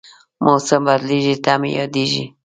موسم بدلېږي، ته مې یادېږې